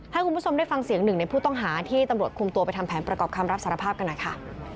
ให้คุณผู้ชมได้ฟังเสียงหนึ่งในผู้ต้องหาที่ตำรวจคุมตัวไปทำแผนประกอบคำรับสารภาพกันหน่อยค่ะ